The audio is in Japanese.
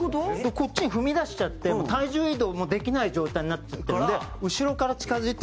こっちに踏み出しちゃって体重移動もできない状態になっちゃってるんで後ろから近付いて